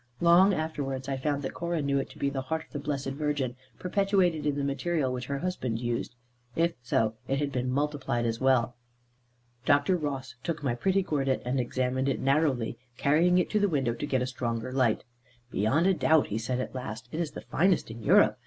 Long afterwards I found that Cora knew it to be the heart of the Blessed Virgin, perpetuated in the material which her husband used. If so, it had been multiplied as well. Dr. Ross took my pretty gordit, and examined it narrowly, carrying it to the window to get a stronger light. "Beyond a doubt," he said at last, "it is the finest in Europe.